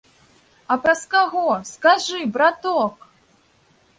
А праз каго, скажы, браток?